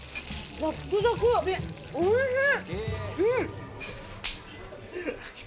おいしい！